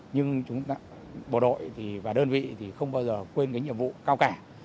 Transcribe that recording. nhưng bộ đội và đơn vị thì không bao giờ quên cái nhiệm vụ cao cả